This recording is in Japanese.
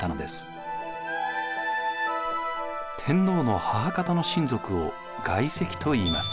天皇の母方の親族を外戚といいます。